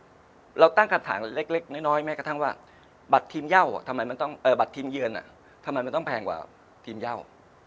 กระทั่งคันฐานเล็กน้อยแม้กระทั่งว่าบัตรทีมเยือนทำไมมันต้องแพงกว่าทีมเย่า